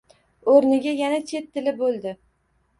O‘rniga yana chet tili bo‘ldi